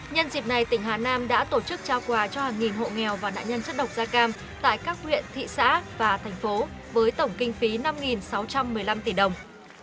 nhân dịp này tỉnh hà nam đã tổ chức trao quà cho hàng nghìn hộ nghèo và nạn nhân chất độc da cam tại các huyện thị xã và thành phố với tổng kinh phí năm sáu trăm một mươi năm tỷ đồng